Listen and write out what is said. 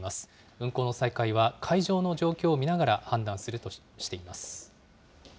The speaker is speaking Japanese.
運航の再開は海上の状況を見ながら判断するとしています。